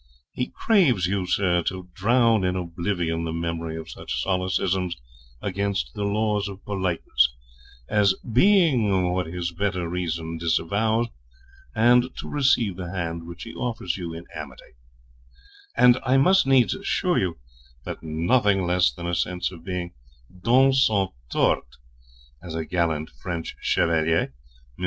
He craves you, sir, to drown in oblivion the memory of such solecisms against the laws of politeness, as being what his better reason disavows, and to receive the hand which he offers you in amity; and I must needs assure you that nothing less than a sense of being dans son tort, as a gallant French chevalier, Mons.